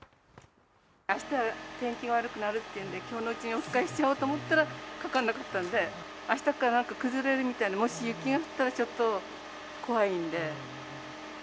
あした天気が悪くなるっていうんで、きょうのうちにお使いしちゃおうと思ったら、かからなかったので、あしたからなんか崩れるみたいに、もし雪が降ったらちょっと怖いんで。